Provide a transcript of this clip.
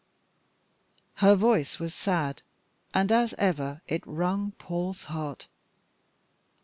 Her voice was sad, and as ever it wrung Paul's heart.